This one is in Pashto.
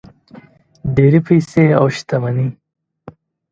ډېرې پیسې او شتمني.